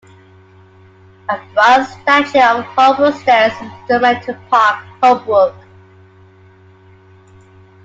A bronze statue of Holbrook stands in Germanton Park, Holbrook.